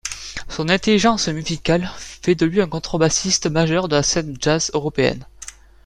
Son intelligence musicale fait de lui un contrebassiste majeur de la scène jazz européenne.